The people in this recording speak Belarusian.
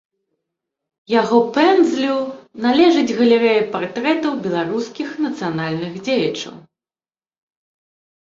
Яго пэндзлю належыць галерэя партрэтаў беларускіх нацыянальных дзеячаў.